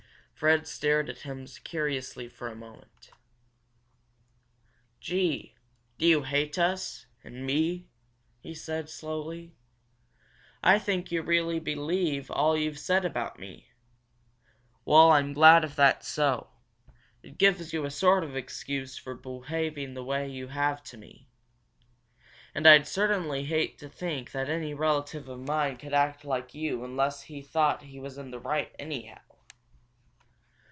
Fred stared at him curiously for a moment. "Gee! You do hate us and me!" he said, slowly. "I think you really believe all you've said about me! Well, I'm glad if that's so. It gives you a sort of excuse for behaving the way you have to me. And I'd certainly hate to think that any relative of mine could act like you unless he thought he was in the right, anyhow!"